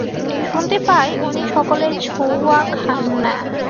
শুনতে পাই উনি সকলের ছোঁওয়া খান না।